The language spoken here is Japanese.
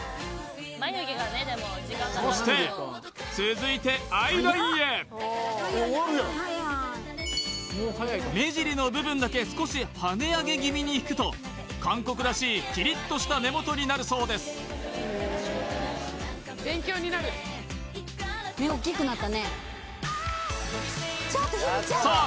そして続いてアイラインへ目尻の部分だけ少し跳ね上げ気味に引くと韓国らしいキリッとした目元になるそうですさあ